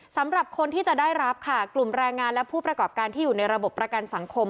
สำหรับคนที่จะได้รับค่ะกลุ่มแรงงานและผู้ประกอบการที่อยู่ในระบบประกันสังคม